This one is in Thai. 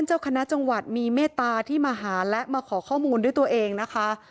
เจ้าคณะจังหวัดมีเมตตาที่มาหาและมาขอข้อมูลด้วยตัวเองนะคะ